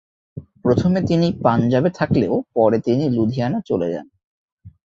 প্রথমে তিনি পাঞ্জাবে থাকলেও পরে তিনি লুধিয়ানা চলে যান।